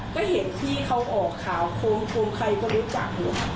ก็เห็นพี่เขาออกข่าวโคมใครก็รู้จักอยู่